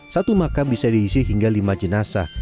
satu makam bisa diisi hingga lima jenazah